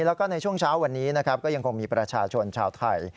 แล้วก็ในช่วงเช้าวันนี้นะครับก็ยังคงมีประชาชนชาวไทย